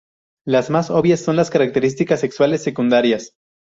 Las más obvias son las características sexuales secundarias.